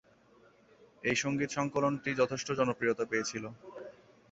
এই সংগীত-সঙ্কলনটিও যথেষ্ট জনপ্রিয়তা পেয়েছিল।